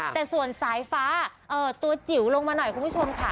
แต่ส่วนสายฟ้าตัวจิ๋วลงมาหน่อยคุณผู้ชมค่ะ